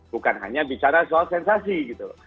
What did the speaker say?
bukan hanya bicara soal sensasi gitu loh